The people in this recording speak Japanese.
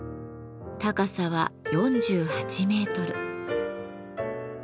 高さは４８メートル。